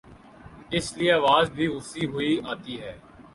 اس لئے آواز بھی گھسی ہوئی آتی ہے۔